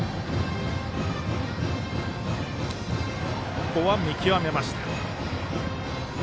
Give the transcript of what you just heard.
ここは見極めました。